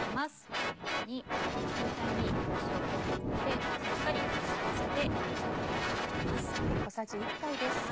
このように全体に塩を振ってしっかりなじませて行きます。